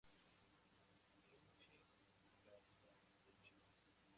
Shinichi Kawaguchi